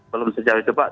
belum sejauh itu pak